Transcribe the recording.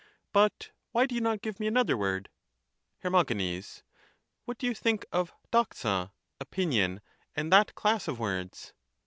But why do you not give me another word? Her. What do you think of doSa (opinion), and that class of S6ia. words